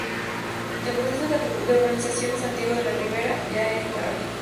El proceso de urbanización de Santiago de la Ribera ya era imparable.